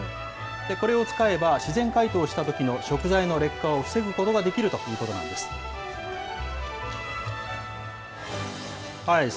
これを使えば、自然解凍したときの食材の劣化を防ぐことができるということなんです。